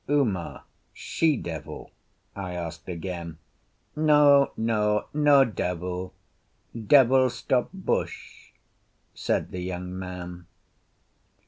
"Uma, she devil?" I asked again. "No, no; no devil. Devil stop bush," said the young man.